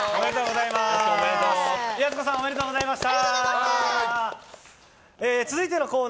やす子さんおめでとうございました。